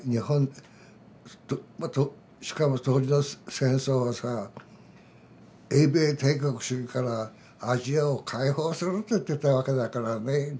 しかも当時の戦争はさ英米帝国主義からアジアを解放すると言ってたわけだからね。